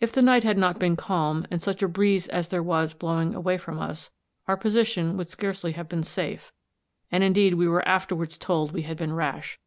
If the night had not been calm, and such a breeze as there was blowing away from us, our position would scarcely have been safe; and indeed we were afterwards told we had been rash.